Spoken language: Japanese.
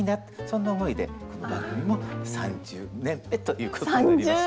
そんな思いでこの番組も３０年目ということになりました。